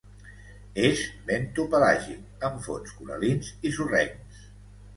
És bentopelàgic en fons coral·lins i sorrencs.